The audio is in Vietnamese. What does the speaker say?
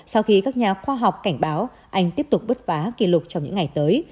sau khi các nhà khoa học cảnh báo anh tiếp tục bứt phá kỷ lục trong những ngày tới